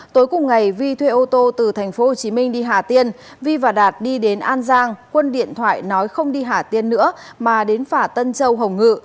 tối cùng ngày vi thuê ô tô từ tp hcm đi hà tiên vi và đạt đi đến an giang quân điện thoại nói không đi hà tiên nữa mà đến phả tân châu hồng ngự